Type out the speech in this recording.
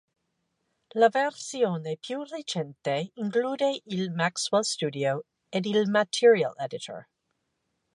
La versione più recente include il Maxwell Studio ed il Material Editor.